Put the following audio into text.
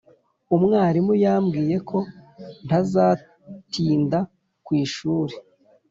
umwarimu yambwiye ko ntazatinda ku ishuri.